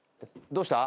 どうした？